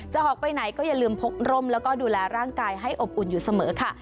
ออกไปไหนก็อย่าลืมพกร่มแล้วก็ดูแลร่างกายให้อบอุ่นอยู่เสมอค่ะ